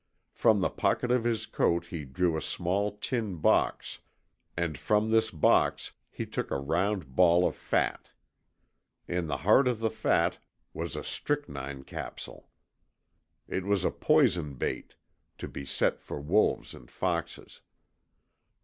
From the pocket of his coat he drew a small tin box, and from this box he took a round ball of fat. In the heart of the fat was a strychnine capsule. It was a poison bait, to be set for wolves and foxes.